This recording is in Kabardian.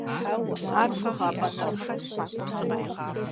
Ар гугъапӀэ нэпцӀт…